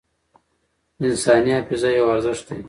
انساني حافظه یو ارزښت دی.